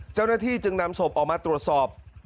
เจ้าหน้าที่จึงนำศพออกมาตรวจสอบ